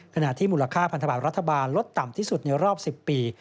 ขณะที่มูลค่าพันธบาทรัฐบาลลดต่ำที่สุดในรอบ๑๐ปี